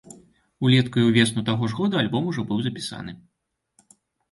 Улетку і ўвесну таго ж года альбом ужо быў запісаны.